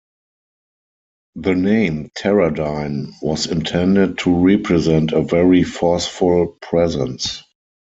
The name, Teradyne, was intended to represent a very forceful presence.